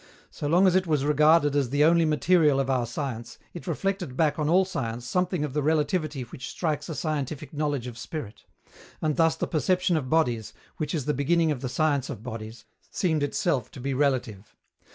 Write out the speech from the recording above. So long as it was regarded as the only material of our science, it reflected back on all science something of the relativity which strikes a scientific knowledge of spirit; and thus the perception of bodies, which is the beginning of the science of bodies, seemed itself to be relative.